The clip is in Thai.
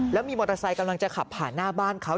แล้วมีมอเตอร์ไซค์กำลังจะขับผ่านหน้าบ้านเขา